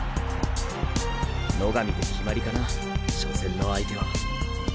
野上で決まりかな初戦の相手は。